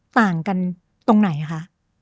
ต่างกันตรงไหนคะ